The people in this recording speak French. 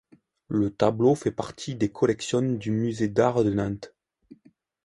Le tableau fait partie des collections du musée d'Arts de Nantes.